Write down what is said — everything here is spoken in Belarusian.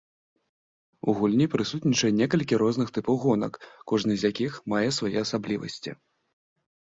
У гульні прысутнічае некалькі розных тыпаў гонак, кожны з якіх мае свае асаблівасці.